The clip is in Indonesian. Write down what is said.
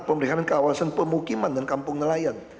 pemeriksaan kawasan pemukiman dan kampung nelayan